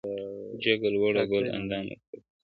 جګه لوړه ګل اندامه تکه سپینه!.